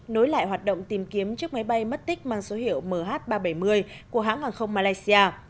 nối lại hoạt động tìm kiếm chiếc máy bay mất tích mang số hiệu mh ba trăm bảy mươi của hãng hàng không malaysia